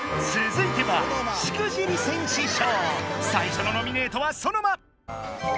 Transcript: つづいては最初のノミネートはソノマ！